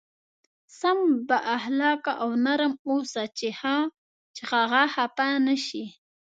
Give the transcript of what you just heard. سم با اخلاقه او نرم اوسه چې هغه خفه نه شي.